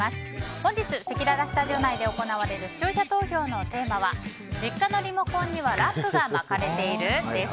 本日せきららスタジオ内で行われる視聴者投票のテーマは実家のリモコンにはラップが巻かれている？です。